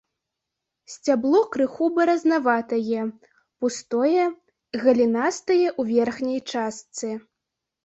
Сцябло крыху баразнаватае, пустое, галінастае ў верхняй частцы.